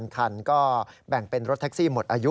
คันก็แบ่งเป็นรถแท็กซี่หมดอายุ